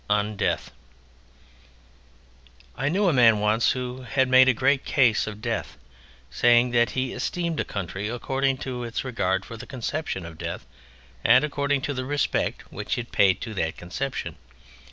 ON DEATH I knew a man once who made a great case of Death, saying that he esteemed a country according to its regard for the conception of Death, and according to the respect which it paid to that conception.